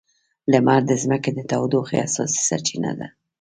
لمر د ځمکې د تودوخې اساسي سرچینه ده.